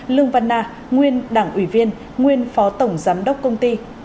lương văn na nguyên đảng ủy viên nguyên phó tổng giám đốc công ty